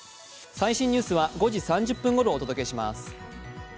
最新ニュースは５時３０分ごろお届けします。